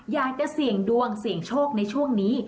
อยากจะเสี่ยงดวงเสี่ยงโชคในช่วงนี้